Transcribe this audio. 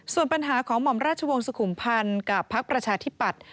ส่วนปัญหาของหม่อมราชวงศ์สุขุมพันธ์กับพักประชาธิปัตย์